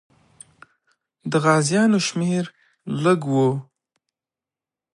د غازیانو شمېر لږ وو.